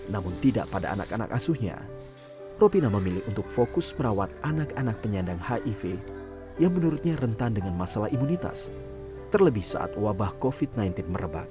namun tidak pada anak anak asuhnya ropina memilih untuk fokus merawat anak anak penyandang hiv yang menurutnya rentan dengan masalah imunitas terlebih saat wabah covid sembilan belas merebak